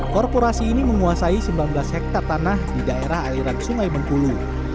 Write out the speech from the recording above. korporasi ini menguasai sembilan belas hektare tanah di daerah aliran sungai bengkulu